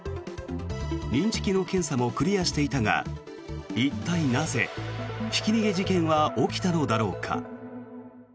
認知機能検査もクリアしていたが一体なぜ、ひき逃げ事件は起きたのだろうか。